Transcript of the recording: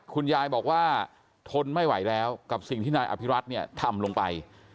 คุณยายบอกว่าทนไม่ไหวแล้วกับสิ่งที่นายอภิรัตน์เนี่ยทำลงไป